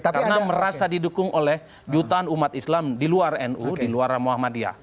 karena merasa didukung oleh jutaan umat islam di luar nu di luar muhammadiyah